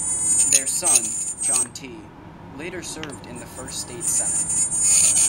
Their son, John T., later served in the first state Senate.